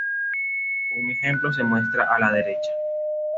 Un ejemplo se muestra a la derecha.